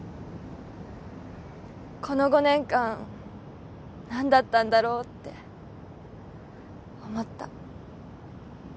この５年間何だったんだろうって思った。